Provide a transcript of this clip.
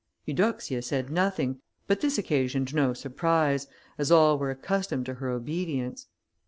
Eudoxia said nothing, but this occasioned no surprise, as all were accustomed to her obedience.